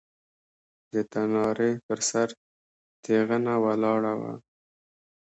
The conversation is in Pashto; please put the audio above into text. د تنارې پر سر تېغنه ولاړه وه.